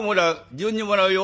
順にもらうよ。